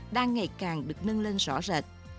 đang ngày càng được nâng lên rõ rệt